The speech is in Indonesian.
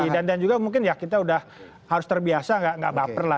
dan juga mungkin ya kita udah harus terbiasa nggak baper lah